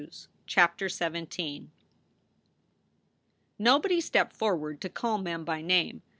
8 CHAPTER XVII NOBODY stepped forward to call Mem by name.